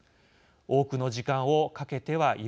多くの時間をかけてはいられません。